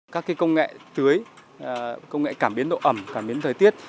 các công nghệ tưới công nghệ cảm biến độ ẩm cảm biến thời tiết